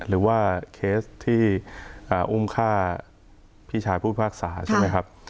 หรือว่าเคสที่อุ้มฆ่าพี่ชายผู้พิพากษาใช่ไหมครับ